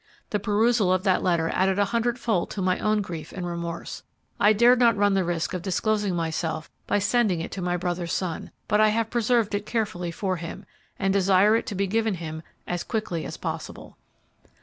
The perusal of that letter added a hundred fold to my own grief and remorse. I dared not run the risk of disclosing myself by sending it to my brother's son, but I have preserved it carefully for him, and desire it to be given him as quickly as possible.